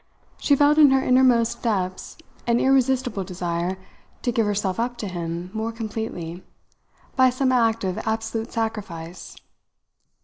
She felt in her innermost depths an irresistible desire to give herself up to him more completely, by some act of absolute sacrifice.